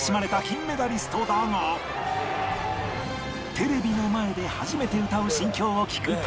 テレビの前で初めて歌う心境を聞くと